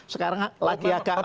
sekarang lagi agak